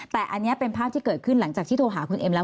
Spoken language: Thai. แต่อันนี้เป็นภาพที่เกิดขึ้นหลังจากที่โทรหาคุณเอ็มแล้ว